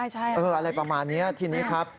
อะไรประมาณนี้ทีนี้ครับ